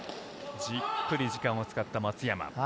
じっくり時間を使った松山。